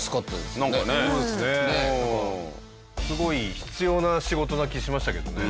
すごい必要な仕事な気しましたけどね。